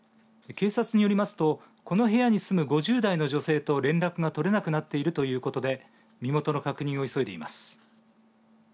警察によりますとこの部屋に住む５０代の女性と連絡が取れなくなっているということで身元の確認を急いでいます。